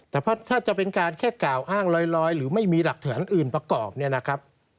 แต่ถ้าจะเป็นการแค่กล่าวอ้างลอยหรือไม่มีหลักฐานอื่นประกอบเนี่ยนะครับ